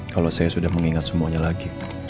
kalau saya sudah mengingat semuanya lagi